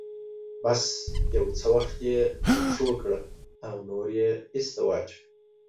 بس يو څه وخت يې په پښو کړه او نور يې ايسته واچوه.